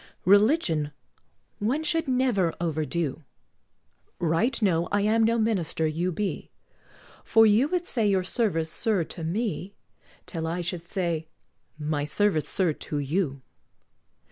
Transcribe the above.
Religion one should never overdo: Right know I am no minister you be, For you would say your service, sir, to me, Till I should say, "My service, sir, to you."